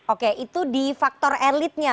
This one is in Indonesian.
oke itu di faktor elitnya